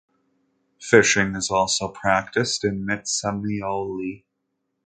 Fishing is also practiced in Mitsamiouli.